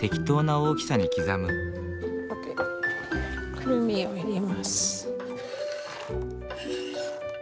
くるみを入れます。